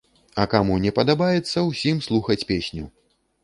А каму не падабаецца, усім слухаць песню.